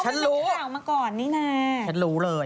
ฉันรู้มันเป็นข่าวมาก่อนนี่นะฉันรู้เลย